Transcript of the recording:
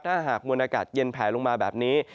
ถ้าหากมวลอากาศเย็นแผลลงมาแบบนี้